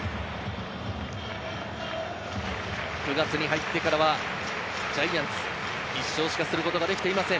９月に入ってからはジャイアンツ、１勝しかすることができていません。